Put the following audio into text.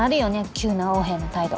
急な横柄な態度。